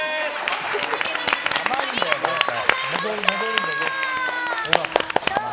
奥冨家の皆さんありがとうございました。